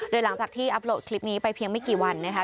โดยหลังจากที่อัพโหลดคลิปนี้ไปเพียงไม่กี่วันนะคะ